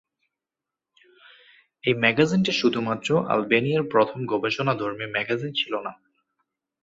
এই ম্যাগাজিনটি শুধুমাত্র আলবেনিয়ার প্রথম গবেষণাধর্মী ম্যাগাজিন ছিলো না।